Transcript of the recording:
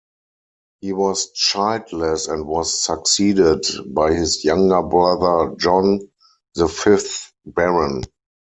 He was childless and was succeeded by his younger brother John, the fifth Baron.